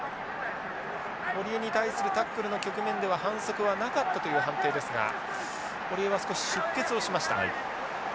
堀江に対するタックルの局面では反則はなかったという判定ですが堀江は少し出血をしました。